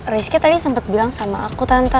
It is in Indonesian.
rizky tadi sempat bilang sama aku tante